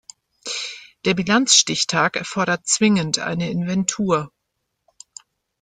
Der Bilanzstichtag erfordert zwingend eine Inventur.